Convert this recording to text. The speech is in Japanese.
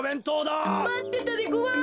まってたでごわす！